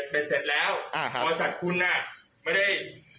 เป็นเสร็จแล้วอ่าครับบริษัทคุณน่ะไม่ได้